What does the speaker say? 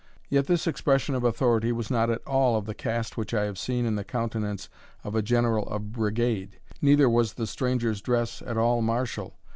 Yet this expression of authority was not at all of the cast which I have seen in the countenance of a general of brigade, neither was the stranger's dress at all martial.